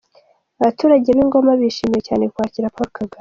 Abaturage b'i Ngoma bishimiye cyane kwakira Paul Kagame.